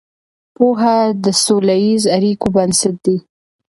پوهه د سوله ییزو اړیکو بنسټ دی.